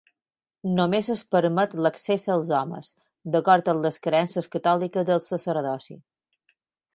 Només es permet l'accés als homes, d'acord amb les creences catòliques del sacerdoci.